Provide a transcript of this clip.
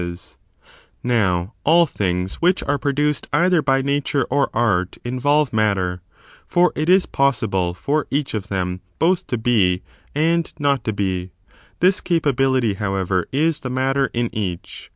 stancea Now, all things which are produced either by Nature or Art involve matter, for it is possible for each of them f both to be and not to be; this capability, however, is the matter in each.